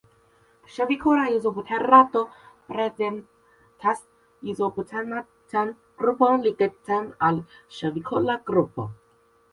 Ŝavikola izobuterato prezentas izobutanatan grupon ligitan al ŝavikola grupo.